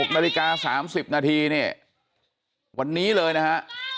นาฬิกา๓๐นาทีเนี่ยวันนี้เลยนะฮะ